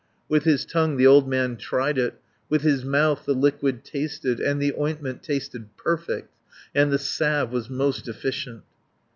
With his tongue the old man tried it, With his mouth the liquid tasted, And the ointment tasted perfect, And the salve was most efficient.